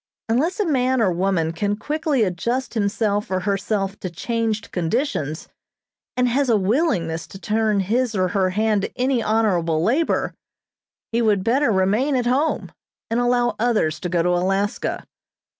Unless a man or woman can quickly adjust himself or herself to changed conditions, and has a willingness to turn his or her hand to any honorable labor, he would better remain at home, and allow others to go to Alaska.